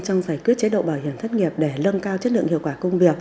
trong giải quyết chế độ bảo hiểm thất nghiệp để lâng cao chất lượng hiệu quả công việc